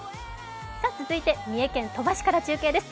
続いては三重県鳥羽市から中継です。